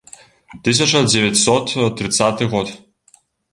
Тысяча дзевяцьсот трыццаты год.